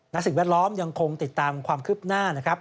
สิ่งแวดล้อมยังคงติดตามความคืบหน้านะครับ